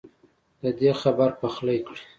ددې خبر پخلی کړی